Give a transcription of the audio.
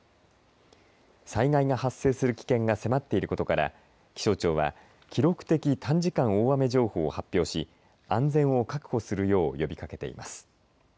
災害が発生する危険が迫っていることから気象庁は記録的短時間大雨情報を発表し安全を確保するよう呼びかけています。